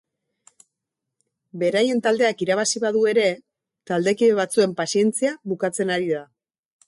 Beraien taldeak irabazi badu ere, taldekide batzuen pazientzia bukatzen ari da.